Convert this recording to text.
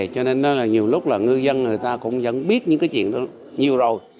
cho nên là nhiều lúc là ngư dân người ta cũng vẫn biết những cái chuyện đó nhiều rồi